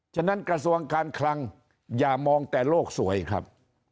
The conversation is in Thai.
ฉะนั้นกระทรวงการคลังอย่ามองแต่โลกสวยครับ